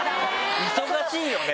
忙しいよね！